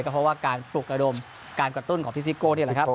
เพราะว่าการปลุกระดมการกระตุ้นของพี่ซิโก่